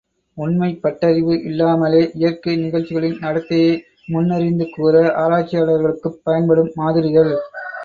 உண்மைப் பட்டறிவு இல்லாமலே இயற்கை நிகழ்ச்சிகளின் நடத்தையை முன்னறிந்து கூற ஆராய்ச்சியாளர்களுக்குப் பயன்படும் மாதிரிகள்.